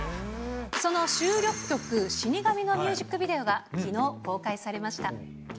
その収録曲、死神のミュージックビデオがきのう公開されました。